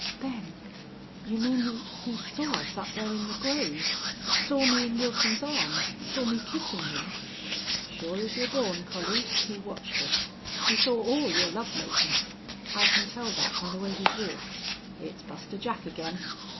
"Ben, you mean he he saw us up there in the grove? Saw me in Wilson's arms saw me kissing him?" "Sure as you're born, Collie. He watched us. He saw all your love makin'. I can tell that by the way he walks. It's Buster Jack again!